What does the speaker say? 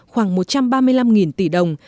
khoảng một trăm ba mươi năm đồng